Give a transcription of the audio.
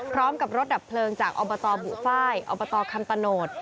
พร้อมกับรถดับเพลิงจากอบตบุฟ้ายอบตคำตะโนธ